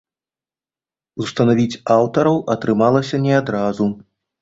Устанавіць аўтараў атрымалася не адразу.